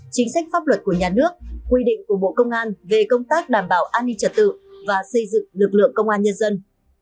chính sách pháp luật của nhà nước quy định của bộ công an về công tác đảm bảo an ninh trật tự và xây dựng lực lượng công an nhân dân